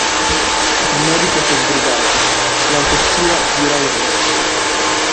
Il medico s'è sbrigato: L'autopsia dirà il resto.